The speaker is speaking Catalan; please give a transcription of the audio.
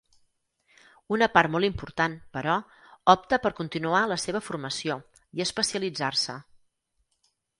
Una part molt important, però, opta per continuar la seva formació i especialitzar-se.